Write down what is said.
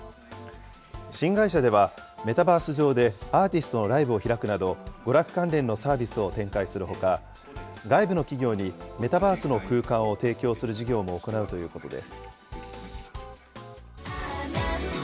新会社ではメタバース上でアーティストのライブを開くなど、娯楽関連のサービスを展開するほか、外部の企業にメタバースの空間を提供する事業も行うということです。